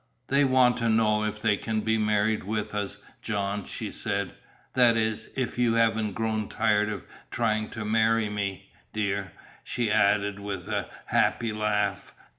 "They want to know if they can be married with us, John," she said. "That is, if you haven't grown tired of trying to marry me, dear," she added with a happy laugh.